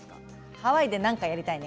ハワイで何かやりたいね。